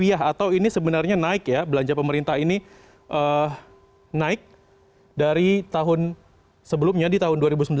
atau ini sebenarnya naik ya belanja pemerintah ini naik dari tahun sebelumnya di tahun dua ribu sembilan belas